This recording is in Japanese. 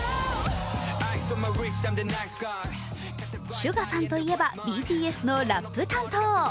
ＳＵＧＡさんといえばＢＴＳのラップ担当。